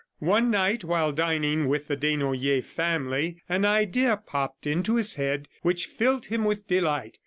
One night, while dining with the Desnoyers family, an idea popped into his head which filled him with delight.